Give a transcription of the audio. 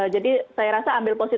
jadi saya rasa ambil positif